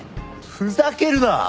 ふざけるな！